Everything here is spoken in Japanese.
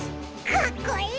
かっこいい！